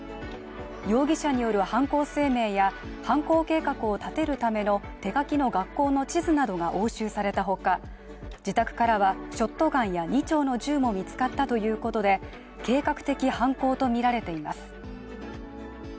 容疑者による犯行声明や犯行計画を立てるための手書きの学校の地図などが押収されたほか、自宅からはショットガンや２丁の銃も見つかったということで計画的犯行とみられています。